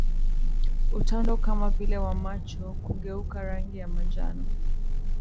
Utando kama vile wa macho kugeuka rangi ya manjano